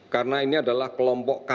karena ini adalah kelompok kandungan